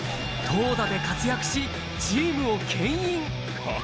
投打で活躍し、チームをけん引。